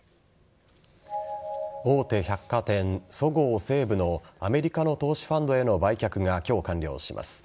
大手百貨店そごう・西武のアメリカの投資ファンドへの売却が今日、完了します。